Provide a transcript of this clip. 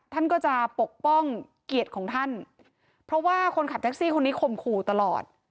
ท่านก็จะปกป้องเกียรติของท่านเพราะว่าคนขับแท็กซี่คนนี้ข่มขู่ตลอด